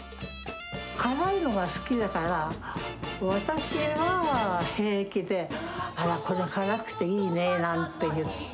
辛いのが好きだから、私は平気で、あら、これ、辛くていいねなんて言って。